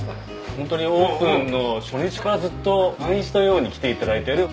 本当にオープンの初日からずっと毎日のように来て頂いている。